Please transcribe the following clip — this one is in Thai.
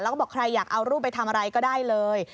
แล้วก็บอกใครอยากเอารูปไปทำอะไรก็ได้เลย